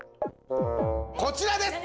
こちらです！